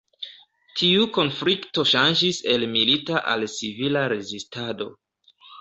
Tiu konflikto ŝanĝis el milita al civila rezistado.